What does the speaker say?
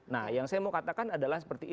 nah yang saya mau katakan adalah seperti ini